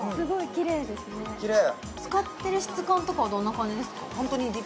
キレイ使ってる質感とかはどんな感じですか？